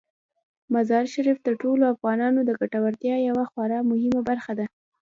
مزارشریف د ټولو افغانانو د ګټورتیا یوه خورا مهمه برخه ده.